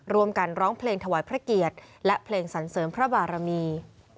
ร้องกันร้องเพลงถวายพระเกียรติและเพลงสรรเสริมพระบารมี